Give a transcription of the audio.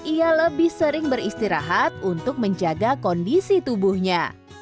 ia lebih sering beristirahat untuk menjaga kondisi tubuhnya